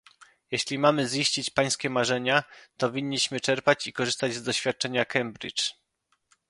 Jeśli mamy ziścić pańskie marzenia, to winniśmy czerpać i korzystać z doświadczenia Cambridge